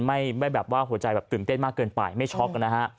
ไม่แบบว่าหัวใจแบบตื่นเต้นมากเกินไปไม่ช็อกนะฮะ